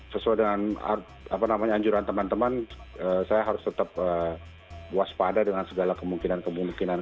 sesuai dengan anjuran teman teman saya harus tetap waspada dengan segala kemungkinan kemungkinan